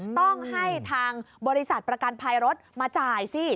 ต้องให้ทางบริษัทประกันภัยรถมาจ่ายสิ